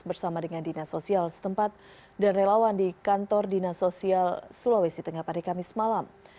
bersama dengan dinas sosial setempat dan relawan di kantor dinas sosial sulawesi tengah pada kamis malam